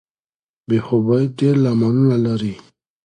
بې خوبۍ ډیر لاملونه لري.